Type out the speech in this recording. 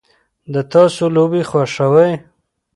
د تاسو لوبې خوښوئ؟